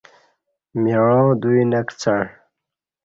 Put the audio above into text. مِعاں دوی نہ کڅݩع